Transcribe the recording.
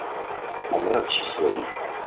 我沒有歧視的意思